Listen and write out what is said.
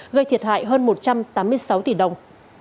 gây thiệt hại hơn một trăm tám mươi sáu tỷ đồng